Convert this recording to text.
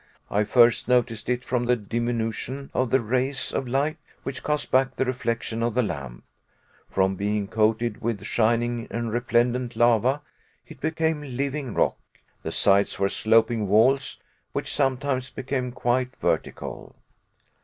I first noticed it from the diminution of the rays of light which cast back the reflection of the lamp. From being coated with shining and resplendent lava, it became living rock. The sides were sloping walls, which sometimes became quite vertical.